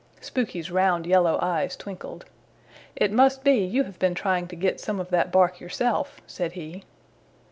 Spooky's round yellow eyes twinkled. "It must be you have been trying to get some of that bark yourself," said he.